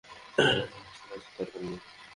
না, ঠিক আছে, দরকার নেই।